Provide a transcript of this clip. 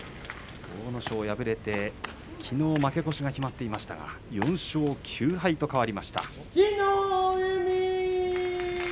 阿武咲、敗れてきのう負け越しが決まっていましたが４勝９敗と変わりました。